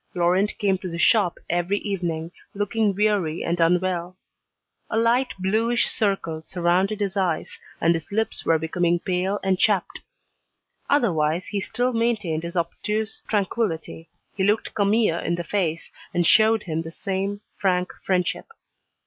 Laurent came to the shop every evening, looking weary and unwell. A light bluish circle surrounded his eyes, and his lips were becoming pale and chapped. Otherwise, he still maintained his obtuse tranquillity, he looked Camille in the face, and showed him the same frank friendship.